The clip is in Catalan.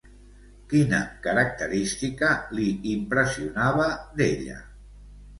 Quina característica li impressionava d'ella?